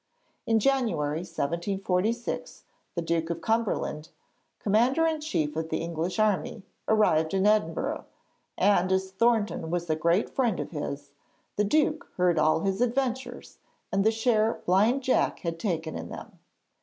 In January 1746 the Duke of Cumberland, Commander in Chief of the English army, arrived in Edinburgh, and as Thornton was a great friend of his, the Duke heard all his adventures and the share Blind Jack had taken in them.